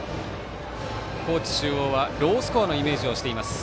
高知中央はロースコアのイメージをしています。